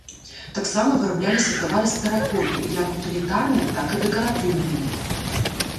Таксама вырабляліся тавары з тэракоты, як утылітарныя, так і дэкаратыўныя.